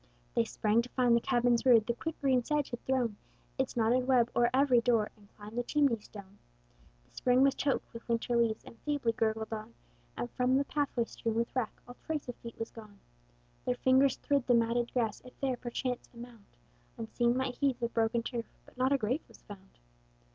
They sprang to find the cabins rude; The quick green sedge had thrown Its knotted web o'er every door, And climbed the chimney stone. The spring was choked with winter's leaves, And feebly gurgled on; And from the pathway, strewn with wrack, All trace of feet was gone. Their fingers thrid the matted grass, If there, perchance, a mound Unseen might heave the broken turf; But not a grave was found.